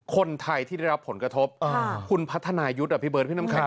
คนไทยที่ได้รับผลกระทบคุณพัฒนายุทธ์อ่ะพี่เบิร์ดพี่น้ำแข